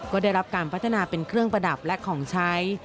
ก็ได้รับการพัฒนาเป็นเครื่องประดับและของใช้